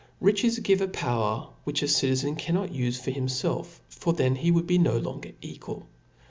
Riches give a power which a citizen cannot ufe for himfelf, for then he would be no longer equal.